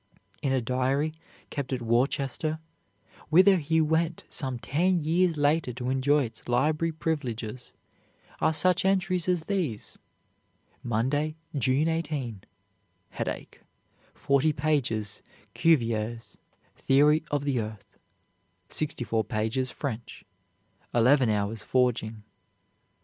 In a diary kept at Worcester, whither he went some ten years later to enjoy its library privileges, are such entries as these, "Monday, June 18, headache, 40 pages Cuvier's 'Theory of the Earth,' 64 pages French, 11 hours' forging.